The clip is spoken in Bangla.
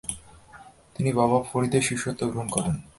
তিনি বাবা ফরিদের শিষ্যত্ব গ্রহণ করেন।